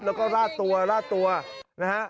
แล้วก็ลาดตัวลาดตัวนะฮะ